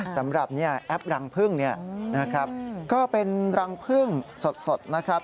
สำหรับแอปรังพึ่งเนี่ยนะครับก็เป็นรังพึ่งสดนะครับ